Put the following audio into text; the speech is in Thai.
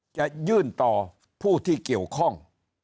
จะยื่นต่อผู้ที่เกี่ยวข้อง